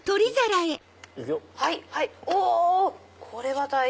はい。